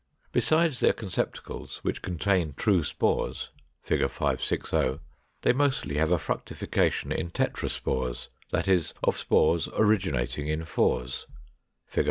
Besides their conceptacles, which contain true spores (Fig. 560), they mostly have a fructification in Tetraspores, that is, of spores originating in fours (Fig.